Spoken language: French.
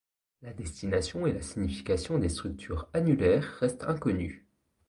La destination et la signification des structures annulaires restent inconnues.